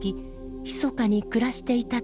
ひそかに暮らしていたというのです。